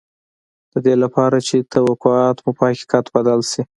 د دې لپاره چې توقعات مو په حقيقت بدل شي.